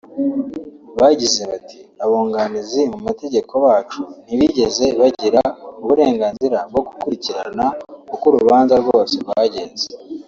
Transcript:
Bagize bati”Abunganizi mu mategeko bacu ntibigeze bagira uburengenzira bwo gukurikirana uko urubanza rwose rwagenze